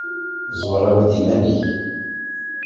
Ẓwer awi-d iman-ik.